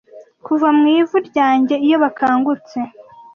kuva mu ivu ryanjye iyo bakangutse